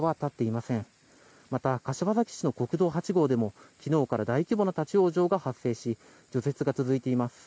また、柏崎市の国道８号でも昨日から大規模な立ち往生が発生し除雪が続いています。